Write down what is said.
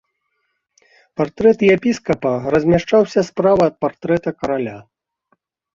Партрэт епіскапа размяшчаўся справа ад партрэта караля.